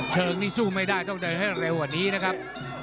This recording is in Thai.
เชิงนี่สู้ไม่ได้ต้องเดินให้เร็วกว่านี้นะครับ